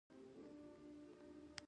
هېڅ ډول مال، دولت او رتبه مقاومت نه لري.